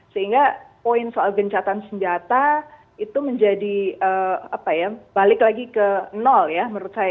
sehingga poin soal gencatan senjata itu menjadi balik lagi ke nol ya menurut saya